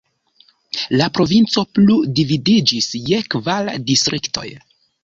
La provinco plu dividiĝis je kvar distriktoj.